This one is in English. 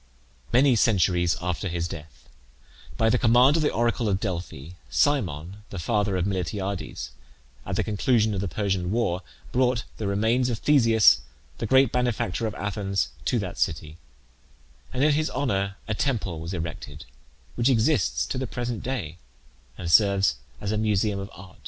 Many centuries after his death, by the command of the oracle of Delphi, Cimon, the father of Miltiades, at the conclusion of the Persian war, brought the remains of Theseus, the great benefactor of Athens, to that city, and in his honour a temple was erected, which exists to the present day, and